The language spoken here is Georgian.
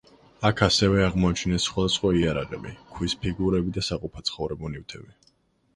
აქ ასევე აღმოაჩინეს სხვადასხვა იარაღები, ქვის ფიგურები და საყოფაცხოვრებო ნივთები.